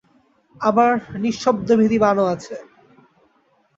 আবার, নিঃশব্দভেদী বাণও আছে।